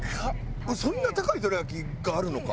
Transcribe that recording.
そんな高いどら焼きがあるのか。